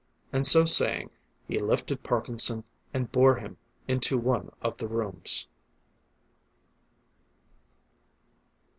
And so saying, he lifted Parkinson, and bore him into one of the rooms.